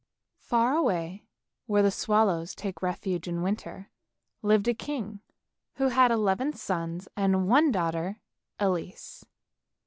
W V^ Y FAR away, where the swallows take refuge in winter, lived a king who had eleven sons and one daughter, Elise.